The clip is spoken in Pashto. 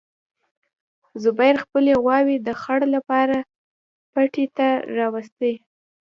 زبیر خپلې غواوې د څړ لپاره پټي ته راوستې.